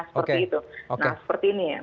seperti itu nah seperti ini ya